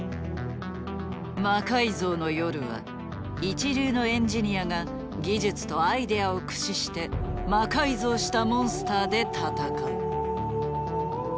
「魔改造の夜」は一流のエンジニアが技術とアイデアを駆使して魔改造したモンスターで戦う。